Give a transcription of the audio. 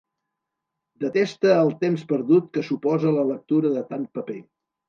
Deteste el temps perdut que suposa la lectura de tant paper.